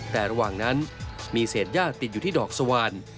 แต่ระหว่างนั้นมีเศษย่าติดอยู่ที่ดอกสว่าน